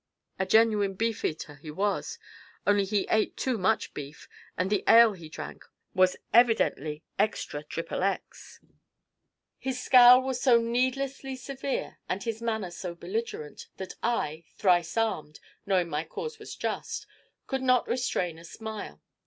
A genuine beefeater he was, only he ate too much beef and the ale he drank was evidently Extra XXX. His scowl was so needlessly severe and his manner so belligerent that I thrice armed, knowing my cause was just could not restrain a smile.